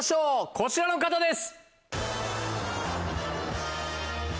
こちらの方です。